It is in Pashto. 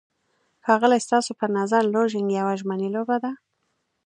ښاغلی، ستاسو په نظر لوژینګ یوه ژمنی لوبه ده؟